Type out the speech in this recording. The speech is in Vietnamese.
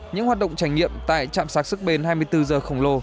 những hoạt động trải nghiệm tại chạm sát sức bền hai mươi bốn h khổng lồ